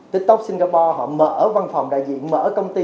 tiktok singapore họ mở văn phòng đại diện mở công ty